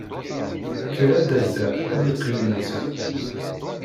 Kker a dadda ad iqqim netta.